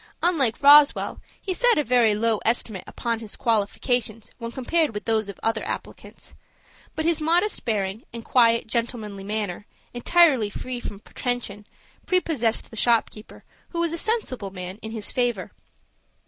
Unlike Roswell, he set a very low estimate upon his qualifications when compared with those of other applicants. But his modest bearing, and quiet, gentlemanly manner, entirely free from pretension, prepossessed the shop keeper, who was a sensible man, in his favor.